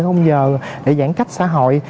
khung giờ để giãn cách xã hội